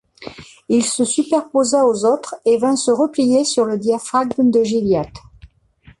Il se superposa aux autres et vint se replier sur le diaphragme de Gilliatt.